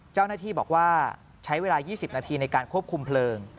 เจ้าหน้าที่บอกว่าใช้เวลา๒๐นาทีในการควบคุมเพลิง